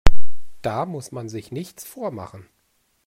Da muss man sich nichts vormachen.